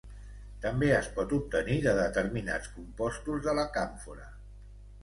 També es pot obtenir de determinats compostos de la càmfora.